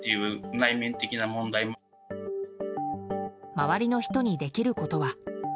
周りの人にできることは。